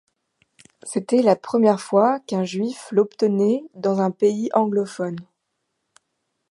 C'était la première fois qu'un juif l'obtenait dans un pays anglophone.